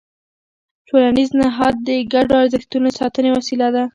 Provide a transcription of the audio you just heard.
ټولنیز نهاد د ګډو ارزښتونو د ساتنې وسیله ده.